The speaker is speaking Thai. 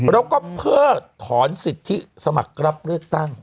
แล้วก็เพิกถอนสิทธิสมัครรับเลือกตั้ง